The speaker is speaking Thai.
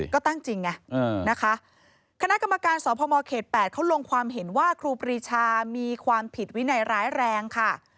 คณะกรรมการสอบพม๘เขาลงความเห็นว่าครูปรีชามีความผิดวินัยร้ายแรงค่ะ